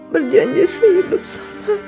berjanji sehidup selamat